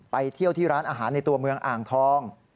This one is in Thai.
เที่ยวที่ร้านอาหารในตัวเมืองอ่างทอง